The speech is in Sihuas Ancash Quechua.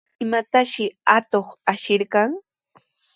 ¿Imatashi atuq ashirqan?